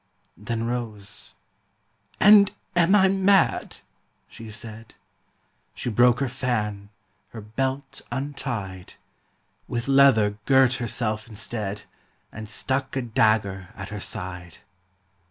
Then rose, 'And am I mad?' she said: She broke her fan, her belt untied; With leather girt herself instead, And stuck a dagger at her side.